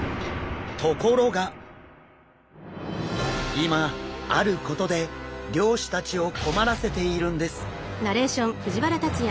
今あることで漁師たちを困らせているんです。